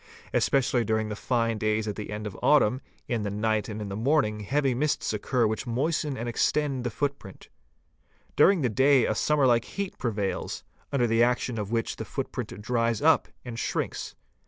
Especially during the fine days at the end of autumn, in the night and — in the morning heavy mists occur which moisten and extend the foot . print; during the day a summer like heat prevails, under the action of which the footprint dries up and shrinks.